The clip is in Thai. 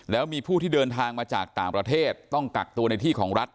แล้วมีผู้ที่เดินทางมาจากต่างประเทศต้องกักตัวในที่ของรัฐ